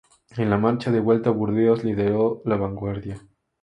En la marcha de vuelta a Burdeos lideró la vanguardia.